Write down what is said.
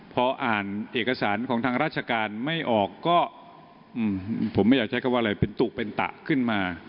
พออ่านเอกสารของทางราชการไม่ออกก็ผมไม่อยากใช้คำว่าอะไรเป็นตุเป็นตะขึ้นมา